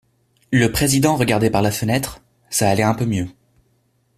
Le président regardait par la fenêtre, ça allait un peu mieux.